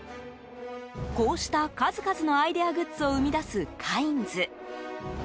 こうした数々のアイデアグッズを生み出すカインズ。